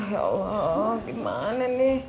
ya allah gimana nih